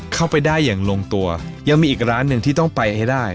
ก็เป็นหนึ่งที่ต้องไปให้ได้